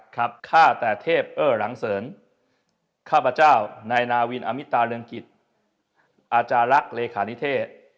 ข้าแต่เทพเอ้อหลังเสริญข้าพเจ้านายนาวินอมิตาเรืองกิจอาจารย์ลักษณ์เลขานิเทศ